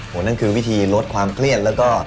นั่นคือวิธีลดความเครียดแล้วก็